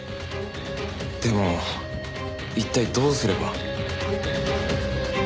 でも一体どうすれば？